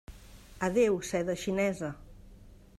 Adéu seda xinesa!